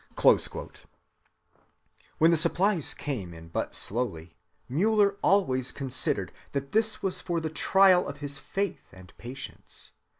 (311) When the supplies came in but slowly, Müller always considered that this was for the trial of his faith and patience.